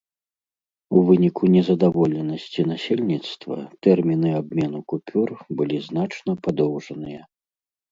У выніку незадаволенасці насельніцтва тэрміны абмену купюр былі значна падоўжаныя.